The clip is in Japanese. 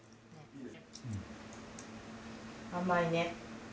甘いね。